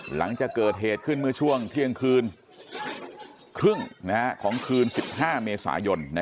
หลังจากเกิดเหตุขึ้นเมื่อช่วงเที่ยงคืนครึ่งของคืน๑๕เมษายน